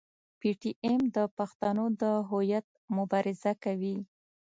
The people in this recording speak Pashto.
پي ټي ایم د پښتنو د هویت مبارزه کوي.